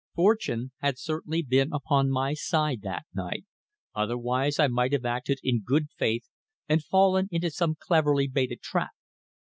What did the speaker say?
Fortune had certainly been upon my side that night, otherwise I might have acted in good faith and fallen into some cleverly baited trap.